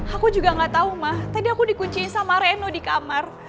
aku juga gak tau ma tadi aku dikunciin sama reno di kamar